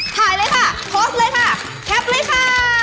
ถ่ายเลยค่ะโพสต์เลยค่ะแคปเลยค่ะ